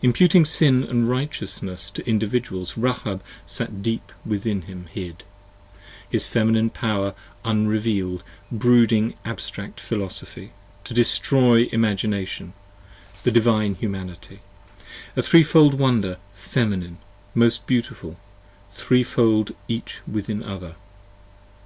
84 Imputing Sin & Righteousness to Individuals, Rahab Sat deep within him hid: his Feminine Power unreveal'd Brooding Abstract Philosophy, to destroy Imagination, the Divine 20 Humanity: A Three fold Wonder, feminine, most beautiful, Three fold Each within other.